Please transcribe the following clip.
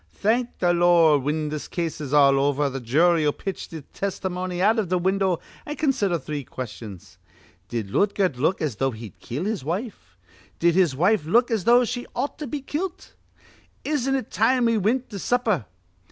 Thank th' Lord, whin th' case is all over, the jury'll pitch th' tistimony out iv th' window, an' consider three questions: 'Did Lootgert look as though he'd kill his wife? Did his wife look as though she ought to be kilt? Isn't it time we wint to supper?'